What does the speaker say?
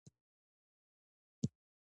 علامه حبیبي د افغانیت تفسیر کړی دی.